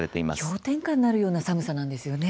氷点下になるような寒さなんですよね。